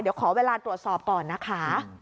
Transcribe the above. เดี๋ยวขอเวลาตรวจสอบก่อนนะคะ